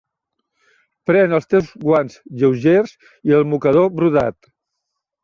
Pren els teus guants lleugers i el mocador brodat.